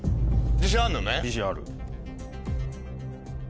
自信ある。